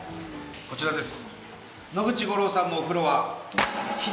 こちらです。